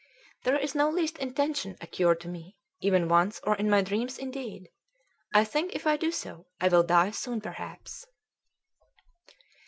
] there is no least intention occurred to me even once or in my dream indeed! I think if I do so, I will die soon perhaps!